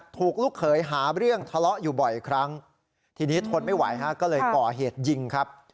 ลูกเขยหาเรื่องทะเลาะอยู่บ่อยครั้งทีนี้ทนไม่ไหวฮะก็เลยก่อเหตุยิงครับ